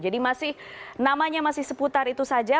jadi masih namanya masih seputar itu saja